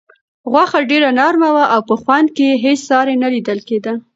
غوښه ډېره نرمه وه او په خوند کې یې هیڅ ساری نه لیدل کېده.